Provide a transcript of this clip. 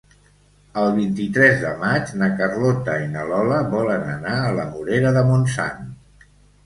El vint-i-tres de maig na Carlota i na Lola volen anar a la Morera de Montsant.